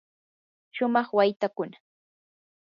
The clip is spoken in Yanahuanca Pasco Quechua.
shumaq waytakuna.